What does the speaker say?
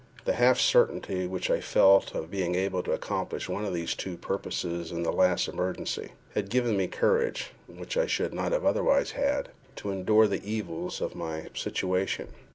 The half certainty which I felt of being able to accomplish one of these two purposes in the last emergency, had given me courage (which I should not otherwise have had) to endure the evils of my situation.